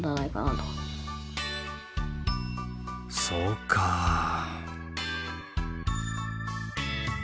そうかあ。